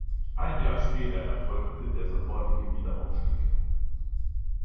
Ein Jahr später erfolgte der sofortige Wiederaufstieg.